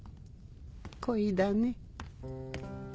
恋だね。